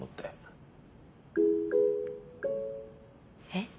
えっ？